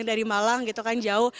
dari malang gitu kan jauh